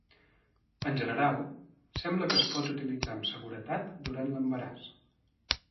En general, sembla que es pot utilitzar amb seguretat durant l'embaràs.